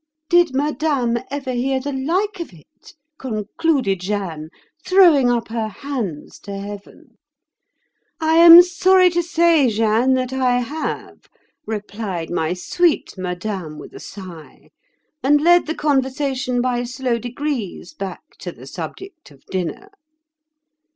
Did Madame ever hear the like of it?' concluded Jeanne, throwing up her hands to heaven. 'I am sorry to say, Jeanne, that I have,' replied my sweet Madame with a sigh, and led the conversation by slow degrees back to the subject of dinner.